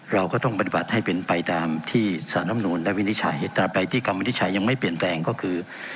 เราก็ต้องปฏิบัติให้เป็นไปตามที่สารรำนูลได้วินิจฉัยต่อไปที่คำวินิจฉัยยังไม่เปลี่ยนแปลงก็คือ